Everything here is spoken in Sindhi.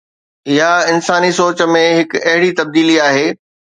اها انساني سوچ ۾ هڪ اهڙي تبديلي آهي.